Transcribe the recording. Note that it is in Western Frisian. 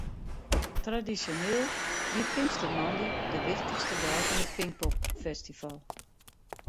Tradisjoneel wie pinkstermoandei de wichtichste dei fan it Pinkpopfestival.